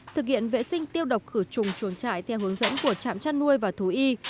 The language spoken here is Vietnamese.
thực hiện vệ sinh tiêu độc khử trùng chuồng trại theo hướng dẫn của trạm chăn nuôi và thú y